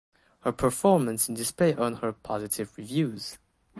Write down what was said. Her performance in this play earned her positive reviews.